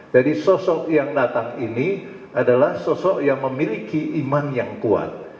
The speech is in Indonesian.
jadi sosok yang datang ini adalah sosok yang memiliki iman yang kuat